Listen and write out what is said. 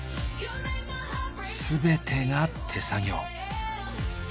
全てが手作業。